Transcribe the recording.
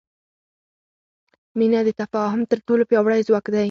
مینه د تفاهم تر ټولو پیاوړی ځواک دی.